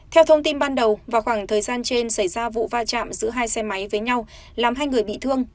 theo thông tin ban đầu vào khoảng thời gian trên xảy ra vụ va chạm giữa hai xe máy với nhau làm hai người bị thương